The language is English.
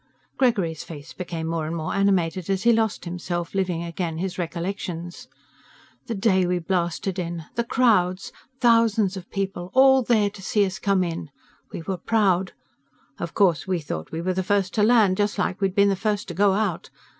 Gregory's face became more and more animated as he lost himself, living again his recollections: "The day we blasted in. The crowds. Thousands of people, all there to see us come in. We were proud. Of course, we thought we were the first to land, just like we'd been the first to go out.